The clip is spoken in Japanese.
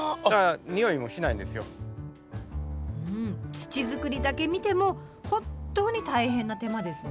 「土作り」だけ見ても本当に大変な手間ですね。